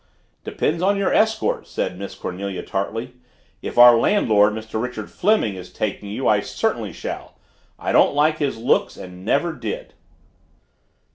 "Depends on your escort," said Miss Cornelia tartly. "If our landlord, Mr. Richard Fleming, is taking you I certainly shall I don't like his looks and never did!"